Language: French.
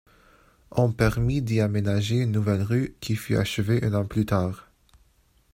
On permit d'y aménager une nouvelle rue, qui fut achevée un an plus tard.